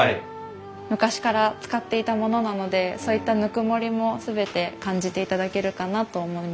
昔から使っていたものなのでそういったぬくもりも全て感じていただけるかなと思いました。